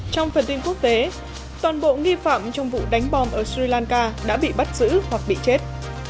trong phần tin quốc tế toàn bộ nghi phạm trong vụ đánh bom ở sri lanka đã bị bắt giữ hoặc bị chết